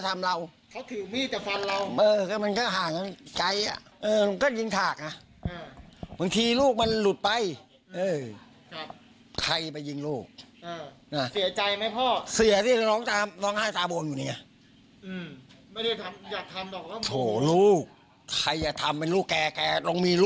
มีลูกบ้างดิเนี่ยเหมาะแบบนี้